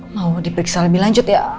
mau diperiksa lebih lanjut ya